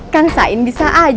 kang sain bisa aja